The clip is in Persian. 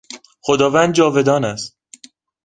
خداوند جاودان است.